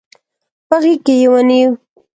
په غېږ کې يې ونيو.